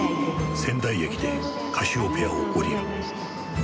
仙台駅でカシオペアを降りる。